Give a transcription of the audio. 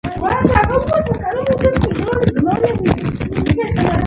ژورې څاګانې اوبه ورکوي.